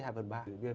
hai phần ba